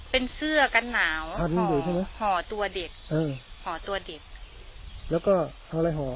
เป็นเสื้อกันหนาวห่อตัวเด็กห่อตัวเด็กแล้วก็เขาเลยห่อ